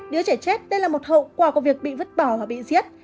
đứa trẻ chết đây là một hậu quả của việc bị vứt bỏ hoặc bị giết